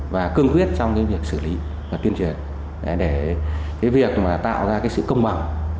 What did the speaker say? và cương quyết trong việc xử lý và tiên tuyển để tạo ra sự công bằng